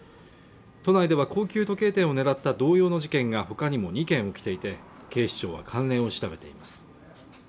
都内では高級時計店を狙った同様の事件がほかにも２件起きていて警視庁は関連を調べています